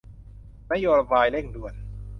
นโยบายเร่งด่วน